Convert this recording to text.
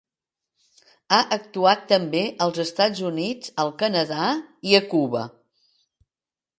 Ha actuat també als Estats Units, al Canadà i a Cuba.